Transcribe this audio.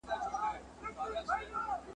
پر دې سیمه نوبهاره چي رانه سې `